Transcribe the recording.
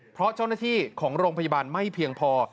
เพราะเจ้าหน้าที่ของโรงพยาบาลไม่เพียงพอ